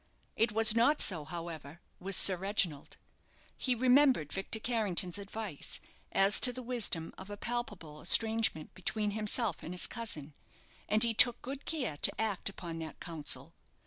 It was not so, however, with Sir Reginald. He remembered Victor Carrington's advice as to the wisdom of a palpable estrangement between himself and his cousin, and he took good care to act upon that counsel.